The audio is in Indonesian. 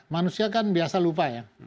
manusia kan biasa lupa ya